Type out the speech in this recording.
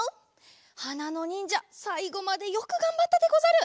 はなのにんじゃさいごまでよくがんばったでござる。